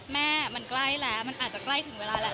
แม่มันใกล้แล้วมันอาจจะใกล้ถึงเวลาแหละ